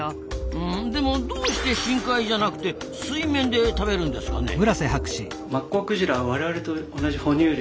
うんでもどうして深海じゃなくて水面で食べるんですかねえ？